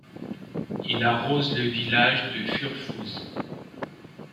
Il arrose le village de Furfooz.